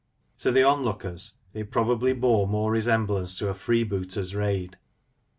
To the onlookers it probably bore more resemblance to a freebooters' raid.